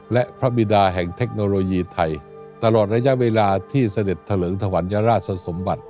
และพระบิดาแห่งเทคโนโลยีไทยตลอดระยะเวลาที่เสด็จเถลิงถวัญราชสมบัติ